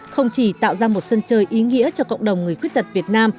không chỉ tạo ra một sân chơi ý nghĩa cho cộng đồng người khuyết tật việt nam